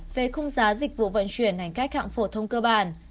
về khung giá dịch vụ vận chuyển hành khách hạng phổ thông cơ bản